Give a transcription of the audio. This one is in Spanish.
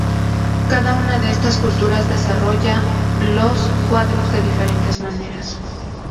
Cada una de estas culturas desarrolla los cuadros de diferentes maneras.